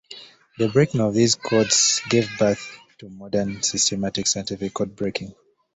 The breaking of these codes gave birth to modern systematic scientific code breaking.